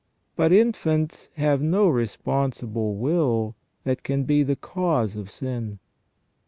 But infants have no responsible will that can be the cause of sin.